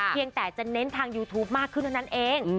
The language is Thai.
ยังแต่จะเน้นทางยูทูปมากขึ้นเท่านั้นเอง